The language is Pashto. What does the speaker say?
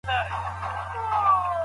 دولت خلک د خصوصي تشبثاتو پر ضد وهڅول.